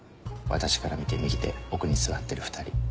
私から見て右手奥に座ってる２人。